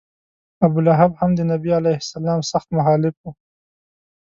ابولهب هم د نبي علیه سلام سخت مخالف و.